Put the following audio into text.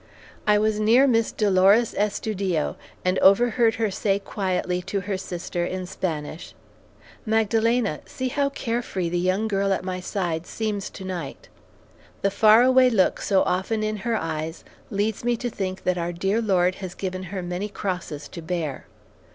I was near Miss Dolores Estudillo, and overheard her say quietly to her sister, in Spanish, "Magdalena, see how care free the young girl at my side seems tonight. The far away look so often in her eyes leads me to think that our dear Lord has given her many crosses to bear.